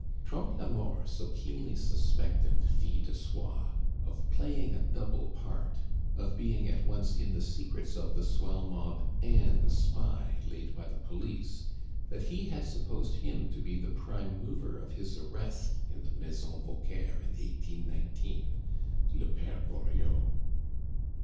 Trompe la Mort so keenly suspected Fil de Soie of playing a double part, of being at once in the secrets of the swell mob and a spy laid by the police, that he had supposed him to be the prime mover of his arrest in the Maison Vauquer in 1819 (Le Pere Goriot).